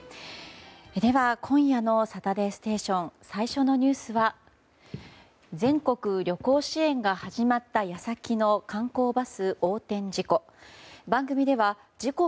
では、今夜の「サタデーステーション」最初のニュースは全国旅行支援が始まった矢先の観光バス横転事故。